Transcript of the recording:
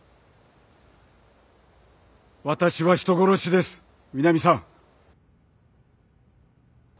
私は人殺しです南さん。